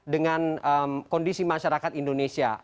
dengan kondisi masyarakat indonesia